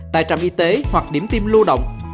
tại trạm y tế hoặc điểm tiêm lưu động